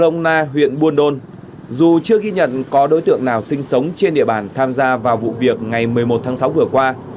còn tại xã crona huyện buôn đôn dù chưa ghi nhận có đối tượng nào sinh sống trên địa bàn tham gia vào vụ việc ngày một mươi một tháng sáu vừa qua